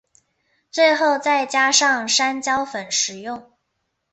最后再加上山椒粉食用。